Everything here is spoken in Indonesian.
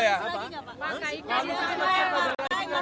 sudah saya sampaikan